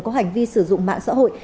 có hành vi sử dụng mạng xã hội